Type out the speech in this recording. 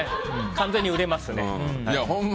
完全に売れますね。